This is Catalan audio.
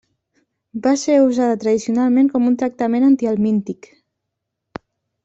Va ser usada tradicionalment com un tractament antihelmíntic.